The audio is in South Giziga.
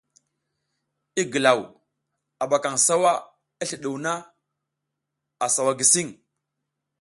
I gilaw, a ɓakaƞ sawa i sliɗuw na, a sawa gisiƞ.